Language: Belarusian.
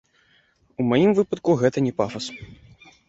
У маім выпадку гэта не пафас.